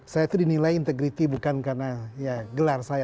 saya itu dinilai integriti bukan karena ya gelar saya